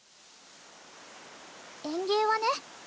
園芸はね